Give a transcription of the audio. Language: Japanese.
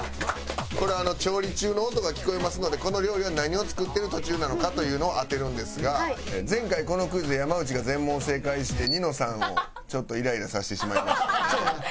これ調理中の音が聞こえますのでこの料理は何を作ってる途中なのかというのを当てるんですが前回このクイズで山内が全問正解してニノさんをちょっとイライラさせてしまいましたね。